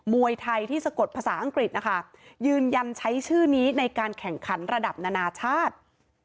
วยไทยที่สะกดภาษาอังกฤษนะคะยืนยันใช้ชื่อนี้ในการแข่งขันระดับนานาชาติ